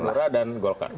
dengan lora dan golkar